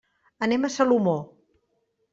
Anem a Salomó.